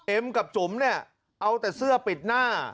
กับจุ๋มเนี่ยเอาแต่เสื้อปิดหน้า